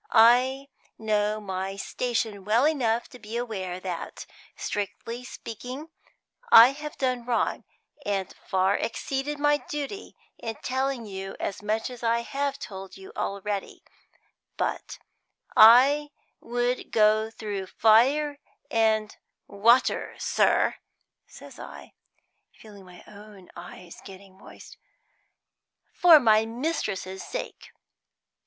I know my station well enough to be aware that, strictly speaking, I have done wrong, and far exceeded my duty, in telling you as much as I have told you already; but I would go through fire and water, sir," says I, feeling my own eyes getting moist, "for my mistress's sake.